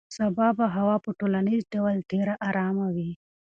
سبا به هوا په ټولیز ډول ډېره ارامه وي.